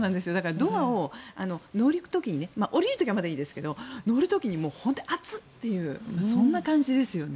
ドアを乗る時に降りる時はまだいいんですが乗る時に本当に熱いという感じですよね。